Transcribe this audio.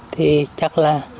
thì chắc là